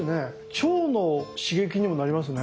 腸の刺激にもなりますね。